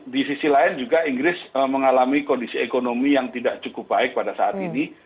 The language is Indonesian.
di sisi lain juga inggris mengalami kondisi ekonomi yang tidak cukup baik pada saat ini